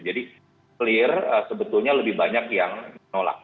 jadi clear sebetulnya lebih banyak yang menolak